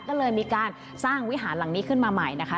ก็เลยมีการสร้างวิหารหลังนี้ขึ้นมาใหม่นะคะ